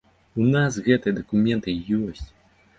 У нас гэтыя дакументы ёсць.